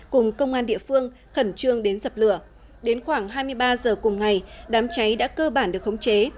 cùng công an địa phương khẩn trương đến dập lửa đến khoảng hai mươi ba h cùng ngày đám cháy đã cơ bản được khống chế